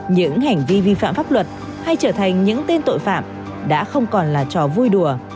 những hành vi vi phạm pháp luật hay trở thành những tên tội phạm đã không còn là trò vui đùa